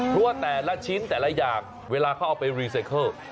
เพราะว่าแต่ละชิ้นแต่ละอย่างเวลาเขาเอาไปรีไซเคิล